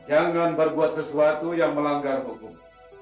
jangan berbuat sesuatu yang melanggar hukum